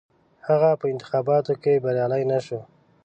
هغه په انتخاباتو کې بریالی نه شو.